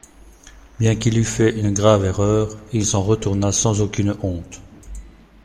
Bien qu’il eût fait une grave erreur, il s’en retourna sans aucune honte.